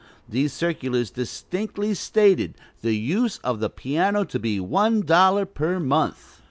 These circulars distinctly stated "the use of the piano to be one dollar per month."